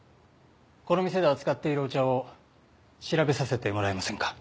この店で扱っているお茶を調べさせてもらえませんか？